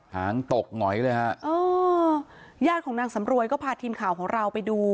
หางตกหงอยเลยฮะอ๋อญาติของนางสำรวยก็พาทีมข่าวของเราไปดู